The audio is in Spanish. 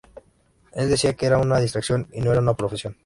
El decía que era una distracción y no una profesión.